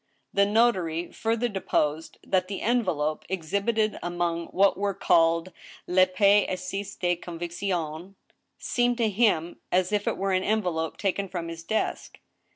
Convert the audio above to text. The notary further deposed that the envelope, exhibited among what are called lesfilces de conviction^ seemed to him as if it were an envelope taken from his desk.